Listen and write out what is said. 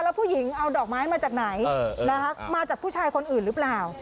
แล้วผู้หญิงเอาดอกไม้มาจากไหนมาจากผู้ชายคนอื่นหรือเปล่า